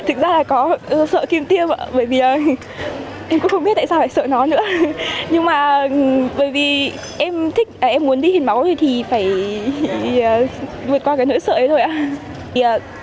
em cũng không biết tại sao phải sợ nó nữa nhưng mà bởi vì em muốn đi hiến máu thì phải vượt qua cái nỗi sợ ấy thôi ạ